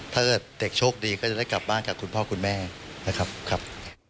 ถ้าเกิดเด็กโชคดีก็จะได้กลับบ้านกับคุณพ่อคุณแม่นะครับ